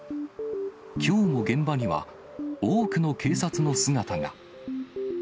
きょうも現場には多くの警察の姿が。